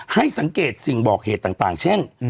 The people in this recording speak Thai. ให้สังเกตสิ่งบอกเหตุต่างเช่น